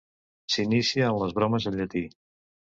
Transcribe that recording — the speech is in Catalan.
S’inicia en les bromes en llatí.